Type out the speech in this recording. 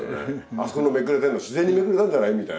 あそこのめくれてるの自然にめくれたんじゃない？みたいな。